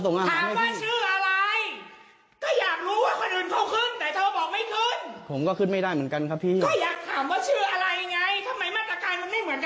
ทำไมมาตะกายไม่เหมือนกันหมดทุกคน